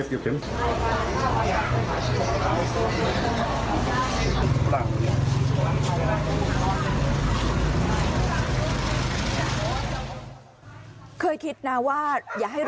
คุณผู้ชมเดี๋ยวอยากให้ดูบรรยากาศที่เจ้าหน้าที่จะไปจับหมาจรจัดด้วยการยิงยาสลบค่ะ